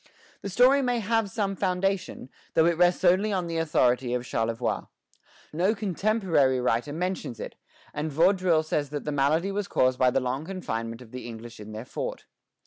The story may have some foundation, though it rests only on the authority of Charlevoix. No contemporary writer mentions it; and Vaudreuil says that the malady was caused by the long confinement of the English in their fort.